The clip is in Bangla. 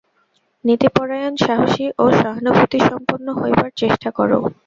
নীতিপরায়ণ, সাহসী ও সহানুভূতিসম্পন্ন হইবার চেষ্টা কর।